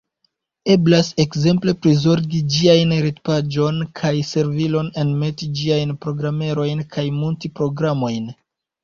Eblas ekzemple prizorgi ĝiajn retpaĝon kaj servilon, enmeti ĝiajn programerojn kaj munti programojn.